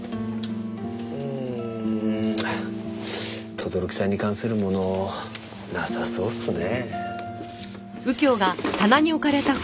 轟さんに関するものなさそうっすね。